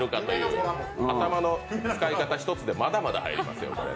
頭の使い方一つでまだまだ入りますよ。